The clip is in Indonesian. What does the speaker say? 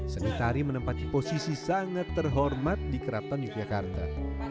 seni tari menempatkan posisi sangat terhormat di keraton yogyakarta